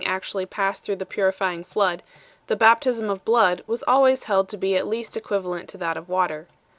153 passed through the purifying flood, the " baptism of blood" was always held to be at least equivalent to that of water.